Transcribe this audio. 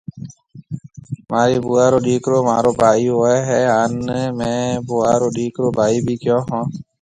مهارِي ڀوُئا رو ڏِيڪرو مهارو ڀائي هوئيَ هيَ هانَ مهيَ ڀوُئا رو ڏِيڪر ڀائِي ڀِي ڪيون هون۔